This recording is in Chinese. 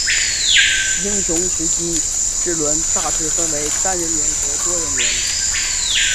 英雄时机之轮大致分为单人轮和多人轮。